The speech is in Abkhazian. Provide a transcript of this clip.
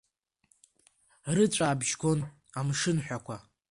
Рыҵәаабжь гон амшынҳәақәа.